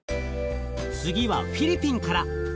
次はフィリピンから。